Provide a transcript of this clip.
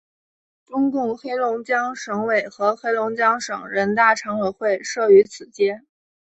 中共黑龙江省委和黑龙江省人大常委会设于此街。